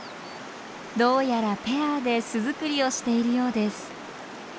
どうやらペアで巣づくりをしているようです。